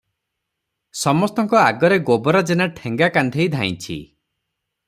ସମସ୍ତଙ୍କ ଆଗରେ ଗୋବରା ଜେନା ଠେଙ୍ଗା କାନ୍ଧେଇ ଧାଇଁଛି ।